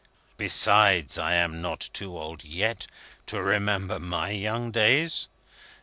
Besides, I am not too old yet, to remember my young days.